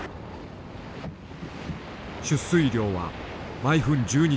出水量は毎分１２ｔ。